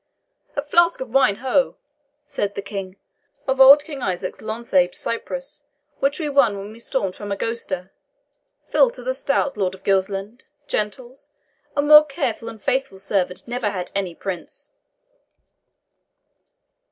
"A flask of wine, ho!" said the King; "of old King Isaac's long saved Cyprus, which we won when we stormed Famagosta. Fill to the stout Lord of Gilsland, gentles a more careful and faithful servant never had any prince."